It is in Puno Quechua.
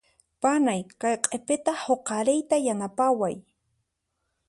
Panay kay q'ipita huqariyta yanapaway.